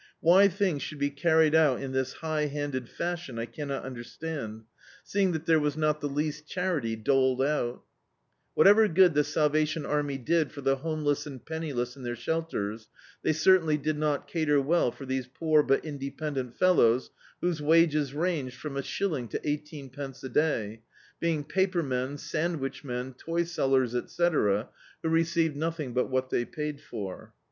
Why things ^ould be carried on in this high handed fashion I cannot understand, seeing that there was not the D,i.,.db, Google The Autobiography of a Super Tramp least diarity doled ouL Whatever good the Salva tion Anny did for the homeless and penniless in their shelters, they certainly did not cater well for these poor, but independent, fellows whose wages ranged from a shilling to ei^teenpence a day — be ing paper men, sandwichmen, toy sellers, etc., who receive nothing but what they paid for.